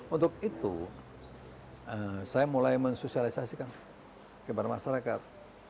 untuk itu saya mulai mensosialisasikan kepada masyarakat